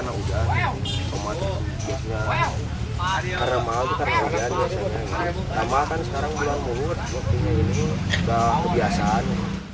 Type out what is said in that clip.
namakan sekarang bilang murah ini juga kebiasaan